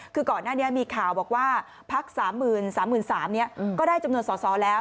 คือก่อนหน้านี้มีข่าวบอกว่าพัก๓๓๓๐๐ก็ได้จำนวนสอสอแล้ว